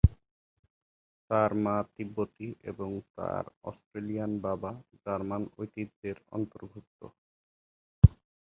তার মা তিব্বতি এবং তার অস্ট্রেলিয়ান বাবা জার্মান ঐতিহ্যের অন্তর্ভুক্ত।